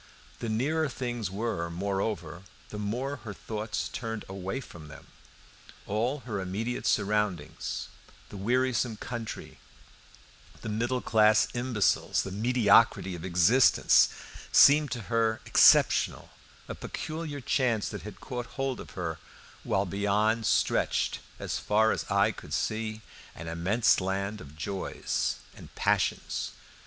The nearer things were, moreover, the more her thoughts turned away from them. All her immediate surroundings, the wearisome country, the middle class imbeciles, the mediocrity of existence, seemed to her exceptional, a peculiar chance that had caught hold of her, while beyond stretched, as far as eye could see, an immense land of joys and passions.